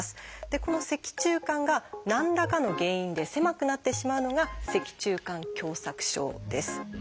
でこの脊柱管が何らかの原因で狭くなってしまうのが「脊柱管狭窄症」です。